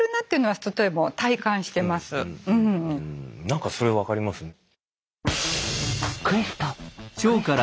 何かそれ分かりますね。